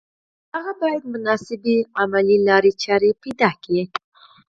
هغه بايد مناسبې او عملي لارې چارې پيدا کړي.